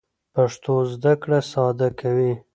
پښتو زده کړه ساده کوي.